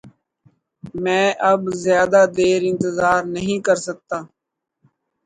میں اب زیادہ دیر انتظار نہیں کر سکتا